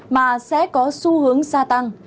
mà sẽ có xu hướng xa tăng